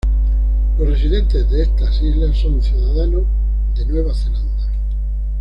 Los residentes de estas islas son ciudadanos de Nueva Zelanda.